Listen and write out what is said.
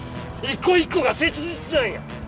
一個一個が切実なんや！